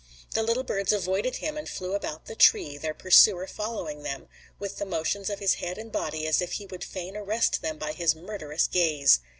The little birds avoided him and flew about the tree, their pursuer following them with the motions of his head and body as if he would fain arrest them by his murderous gaze.